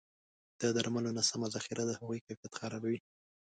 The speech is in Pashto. د درملو نه سمه ذخیره د هغوی کیفیت خرابوي.